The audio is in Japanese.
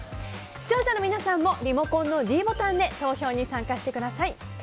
視聴者の皆さんもリモコンのｄボタンで投票に参加してください。